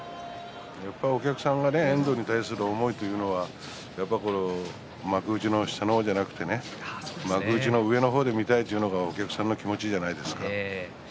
遠藤に対するお客さんの思いは幕内の下の方ではなくて幕内の上の方で見たいというのがお客さんの気持ちではないですか。